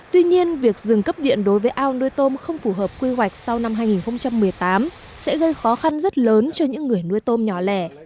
tuy nhiên việc dừng cấp điện đối với ao nuôi tôm không phù hợp quy hoạch sau năm hai nghìn một mươi tám sẽ gây khó khăn rất lớn cho những người nuôi tôm nhỏ lẻ